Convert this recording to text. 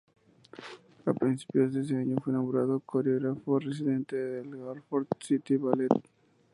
A principios de ese año fue nombrado coreógrafo residente del Hartford City Ballet.